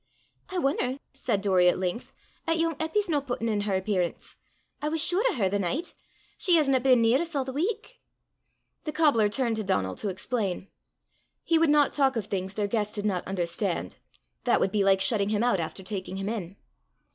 "I won'er," said Doory at length, "'at yoong Eppy's no puttin' in her appearance! I was sure o' her the nicht: she hasna been near 's a' the week!" The cobbler turned to Donal to explain. He would not talk of things their guest did not understand; that would be like shutting him out after taking him in!